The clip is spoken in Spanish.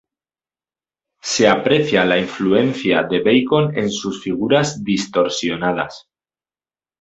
Se aprecia la influencia de Bacon en sus figuras distorsionadas.